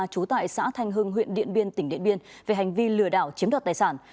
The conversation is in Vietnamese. trú tại xã thanh hưng huyện điện biên tỉnh điện biên về hành vi lừa đảo chiếm đoạt tài sản